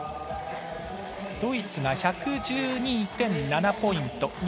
ドイツが１１２．７ポイント。